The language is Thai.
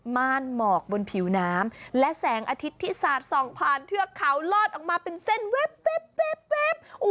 มารหมอกบนผิวน้ำและแสงอาทิตาสองผ่านเทือกเขาลอดออกมาเป็นเส้นเว็บเจ็บเจ็บ